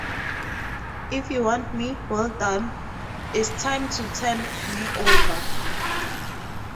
If you want me well done, it's time to turn me over.